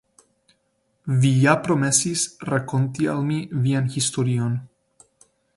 Vi ja promesis rakonti al mi vian historion.